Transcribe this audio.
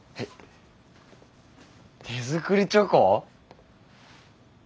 手作りチョコ？